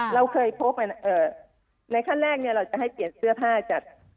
เราเคยพบในขั้นแรกเราจะให้เปลี่ยนเสื้อผ้าจัด